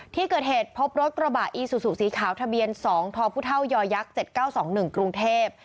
ที่เกิดเหตุพบรถกระบะอีซูซูสีขาวทะเบียน๒ทพยักษ์๗๙๒๑กรุงเทพ